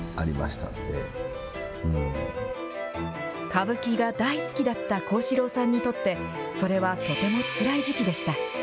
歌舞伎が大好きだった幸四郎さんにとって、それはとてもつらい時期でした。